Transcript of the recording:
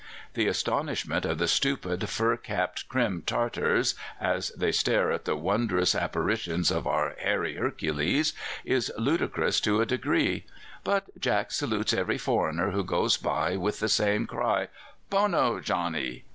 The astonishment of the stupid, fur capped Crim Tartars, as they stare at the wondrous apparition of our hairy Hercules, is ludicrous to a degree; but 'Jack' salutes every foreigner who goes by with the same cry, 'Bono, Johnny!